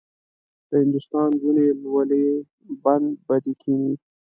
د هندوستان نجونې لولۍ بند به دې کیني.